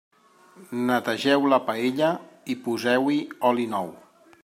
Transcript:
Netegeu la paella i poseu-hi oli nou.